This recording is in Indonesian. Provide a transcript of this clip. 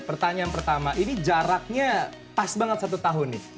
pertanyaan pertama ini jaraknya pas banget satu tahun nih